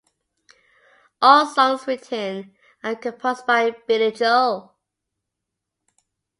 All songs written and composed by Billy Joel.